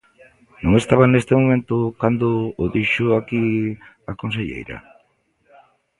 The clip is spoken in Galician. ¿Non estaba nese momento cando o dixo aquí a conselleira?